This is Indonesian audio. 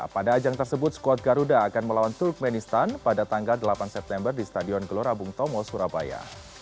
pada ajang tersebut squad garuda akan melawan turkmenistan pada tanggal delapan september di stadion gelora bung tomo surabaya